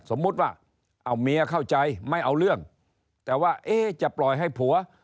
สมมุติว่าเอาเมียเข้าใจไม่เอาเรื่องแต่ว่าเอ๊ะจะปล่อยให้ผัว